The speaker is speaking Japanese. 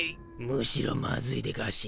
むしろまずいでガシ。